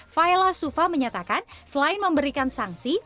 faila sufa menyatakan selain memberikan sanksi